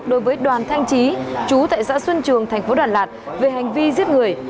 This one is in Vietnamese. đối với đoàn thanh chí chú tại xã xuân trường tp đà lạt về hành vi giết người